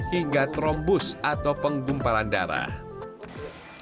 hingga trombos atau penggumpalan darah